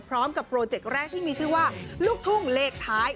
พร้อมกับโปรเจกต์แรกที่มีชื่อว่าลูกทุ่งเลขท้าย